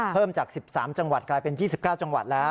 เพิ่มจาก๑๓จังหวัดกลายเป็น๒๙จังหวัดแล้ว